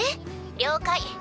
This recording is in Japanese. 了解。